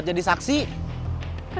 surayam surayam surayam